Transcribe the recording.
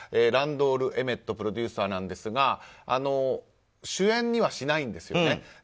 ランドール・エメット氏というプロデューサーなんですが主演にはしないんですね。